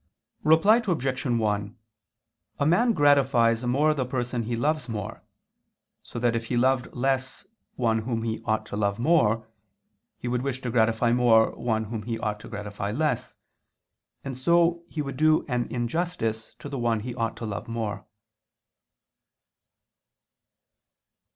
Reply Obj. 1: A man gratifies more the person he loves more, so that if he loved less one whom he ought to love more, he would wish to gratify more one whom he ought to gratify less, and so he would do an injustice to the one he ought to love more.